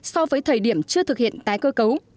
so với thời điểm chưa thực hiện tái cơ cấu